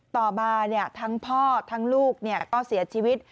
ต่อมาทั้งพ่อทั้งลูกก็เสียชีวิต